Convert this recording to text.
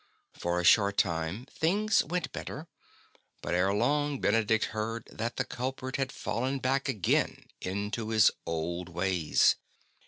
For a short time things went better ; but ere long Benedict heard that the culprit had fallen back again into his old ways.